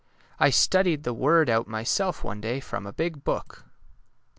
" I studied the word out myself one day from a big book."'